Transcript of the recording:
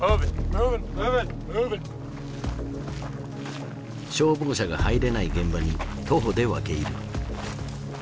消防車が入れない現場に徒歩で分け入る。